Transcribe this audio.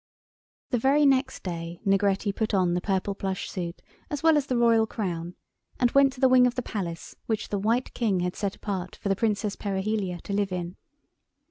The very next day Negretti put on the purple plush suit as well as the Royal Crown, and went to the wing of the Palace which the White King had set apart for the Princess Perihelia to live in.